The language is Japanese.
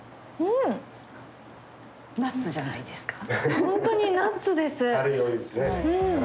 本当にナッツです。